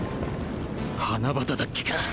花畑だっけか！